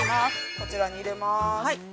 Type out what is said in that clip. ◆こちらに入れます。